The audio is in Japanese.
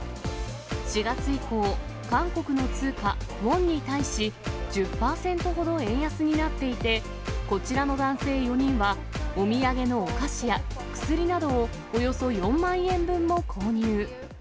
４月以降、韓国の通貨ウォンに対し、１０％ほど円安になっていて、こちらの男性４人は、お土産のお菓子や薬などをおよそ４万円分も購入。